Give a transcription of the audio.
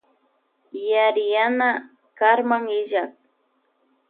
Yariyana karma illak.